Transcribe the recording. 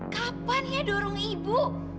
kapan ya dorong ibu